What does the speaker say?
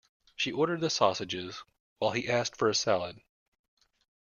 She ordered the sausages while he asked for a salad.